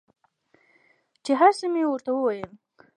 چې هر څه مې ورته وويل.